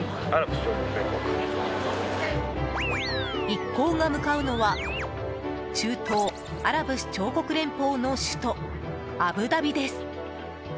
一行が向かうのは中東アラブ首長国連邦の首都アブダビです。